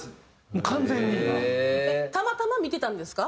たまたま見てたんですか？